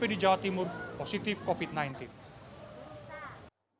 yang diperlukan untuk mengurangi angka testing covid sembilan belas di jawa timur